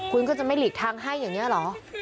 คุณก็จะไม่หลีกทางให้อย่างนี้เหรอ